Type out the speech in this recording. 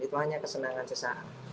itu hanya kesenangan sesaat